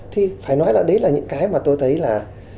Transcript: thì phải nói là đấy là những cái mà tôi thấy là